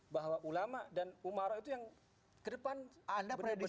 bahwa ulama dan umar itu yang ke depan benar benar bersambung